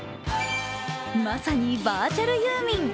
まさにバーチャルユーミン。